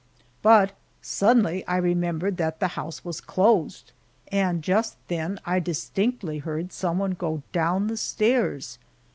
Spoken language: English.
But suddenly I remembered that the house was closed, and just then I distinctly heard some one go down the stairs.